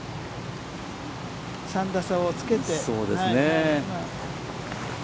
３打差をつけて。